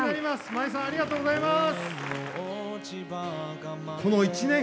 舞さん、ありがとうございます！